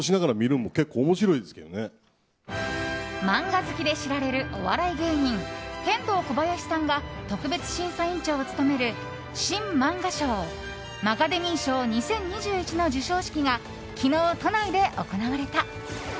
漫画好きで知られるお笑い芸人ケンドーコバヤシさんが特別審査委員長を務める新漫画賞マガデミー賞２０２１の授賞式が昨日、都内で行われた。